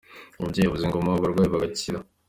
Umubyeyi uvuza ingoma abarwayi bagakira